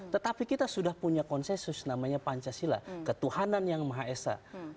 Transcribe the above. tetapi kita sudah punya konsensus namanya pancasila ketuhanan yang maha esa